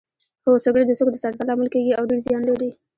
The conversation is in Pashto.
هو سګرټ د سږو د سرطان لامل کیږي او ډیر زیان لري